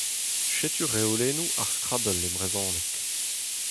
Setu reolennoù ar Skrabell e brezhoneg !